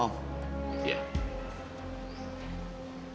pokoknya kamu gak usah khawatir